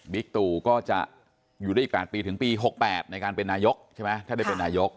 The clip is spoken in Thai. ตู่ก็จะอยู่ได้อีก๘ปีถึงปี๖๘ในการเป็นนายกใช่ไหมถ้าได้เป็นนายก